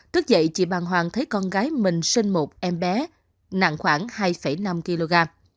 tức dậy chị bàng hoàng thấy con gái mình sinh một em bé nặng khoảng hai năm kg